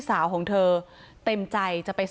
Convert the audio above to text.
ต่างฝั่งในบอสคนขีดบิ๊กไบท์